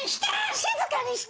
静かにして！！